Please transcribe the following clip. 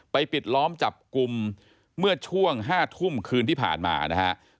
ปิดล้อมจับกลุ่มเมื่อช่วง๕ทุ่มคืนที่ผ่านมานะครับ